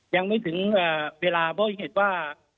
ยังไม่ถึงเวลาเพราะเหตุว่า